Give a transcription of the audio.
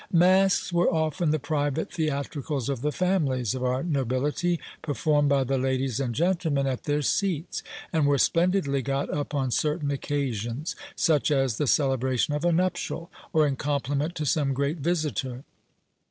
Masques were often the private theatricals of the families of our nobility, performed by the ladies and gentlemen at their seats; and were splendidly got up on certain occasions: such as the celebration of a nuptial, or in compliment to some great visitor.